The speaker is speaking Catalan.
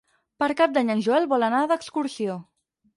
Per Cap d'Any en Joel vol anar d'excursió.